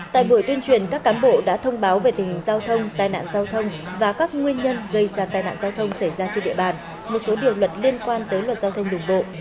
tại buổi tuyên truyền các cán bộ đã thông báo về tình hình giao thông tai nạn giao thông và các nguyên nhân gây ra tai nạn giao thông xảy ra trên địa bàn một số điều luật liên quan tới luật giao thông đường bộ